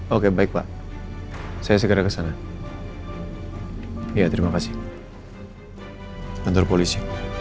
oke baik pak saya segera kesana ya terima kasih tentu polisi